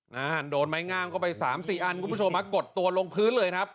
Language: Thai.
นะฮะโดนไม้งามเข้าไปสามสี่อันคุณผู้ชมมากดตัวลงพื้นเลยครับ